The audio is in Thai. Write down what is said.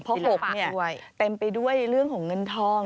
เพราะ๖เต็มไปด้วยเรื่องของเงินทอง